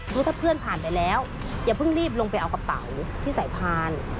เพราะถ้าเพื่อนผ่านไปแล้วอย่าเพิ่งรีบลงไปเอากระเป๋าที่สายพาน